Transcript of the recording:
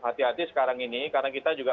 hati hati sekarang ini karena kita juga